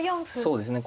そうですね。